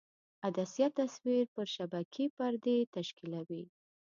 عدسیه تصویر پر شبکیې پردې تشکیولوي.